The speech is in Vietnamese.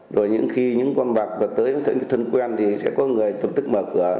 rồi những khi những con bạc vào tới với thân quen thì sẽ có người tập tức mở cửa